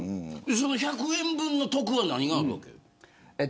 その１００円分の得は何があんの。